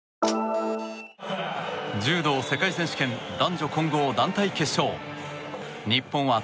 柔道世界選手権男女混合団体戦。